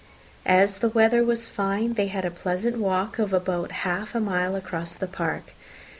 As the weather was fine, they had a pleasant walk of about half a mile across the park.